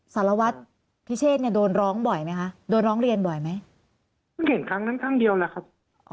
สารวัตรพิเชษเนี่ยโดนร้องบ่อยไหมคะโดนร้องเรียนบ่อยไหมเพิ่งเห็นครั้งนั้นครั้งเดียวแหละครับ